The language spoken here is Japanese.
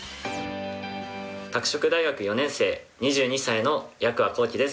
拓殖大学４年生、２２歳の八鍬こうきです。